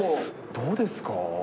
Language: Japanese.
どうですか？